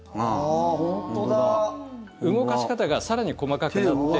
動かし方が更に細かくなって。